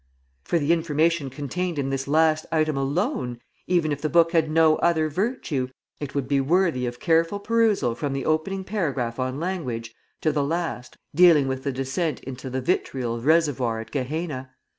For the information contained in this last item alone, even if the book had no other virtue, it would be worthy of careful perusal from the opening paragraph on language, to the last, dealing with the descent into the Vitriol Reservoir at Gehenna.